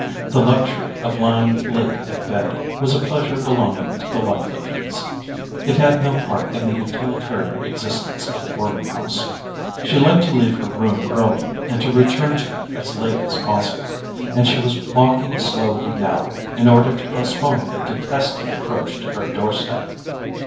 The luxury of lying late in bed was a pleasure belonging to the life of ease; it had no part in the utilitarian existence of the boarding house. She liked to leave her room early, and to return to it as late as possible; and she was walking slowly now in order to postpone the detested approach to her doorstep.